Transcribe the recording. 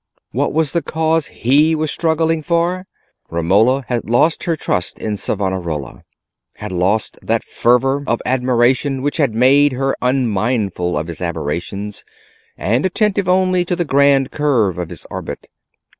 What was the cause he was struggling for? Romola had lost her trust in Savonarola, had lost that fervour of admiration which had made her unmindful of his aberrations, and attentive only to the grand curve of his orbit.